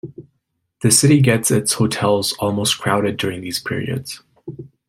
The city gets it's hotels almost crowded during these periods.